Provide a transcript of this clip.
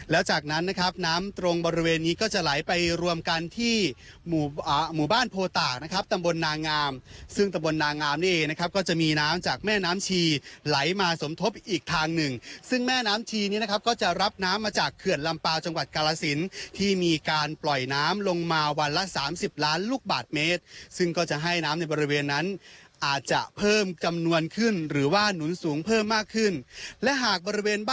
แล้วจากนั้นนะครับน้ำตรงบริเวณนี้ก็จะไหลไปรวมกันที่หมู่บ้านโพตากนะครับตำบลนางามซึ่งตำบลนางามนี้เองนะครับก็จะมีน้ำจากแม่น้ำชีไหลมาสมทบอีกทางหนึ่งซึ่งแม่น้ำชีนี้นะครับก็จะรับน้ำมาจากเขื่อนลำเปล่าจังหวัดกาลสินทร์ที่มีการปล่อยน้ำลงมาวันละ๓๐ล้านลูกบาทเมตรซึ่งก็จะให้น้ำในบ